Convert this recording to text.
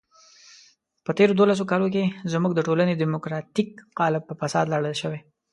په تېرو دولسو کالو کې زموږ د ټولنې دیموکراتیک قالب په فساد لړل شوی.